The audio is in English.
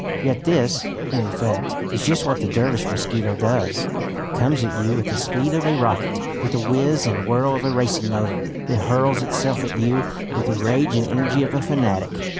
Yet this, in effect, is just what the Dervish mosquito does. It comes at you with the speed of a rocket, with the whizz and whirr of a racing motor. It hurls itself at you with the rage and energy of a fanatic.